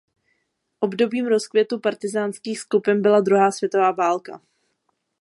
Obdobím rozkvětu partyzánských skupin byla druhá světová válka.